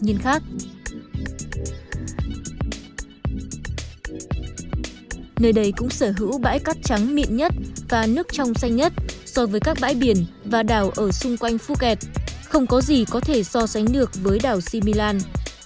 nơi đây cũng sở hữu bãi cát trắng mịn nhất và nước trong xanh nhất so với các bãi biển và đảo ở xung quanh phuket không có gì có thể so sánh được với đảo similan